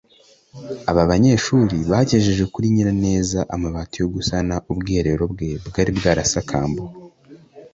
Aba banyeshuri bagejeje kuri Nyiraneza amabati yo gusana ubwiherero bwe bwari bwarasakambuwe